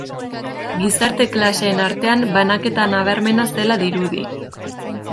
Gizarte klaseen artean banaketa nabarmena zela dirudi.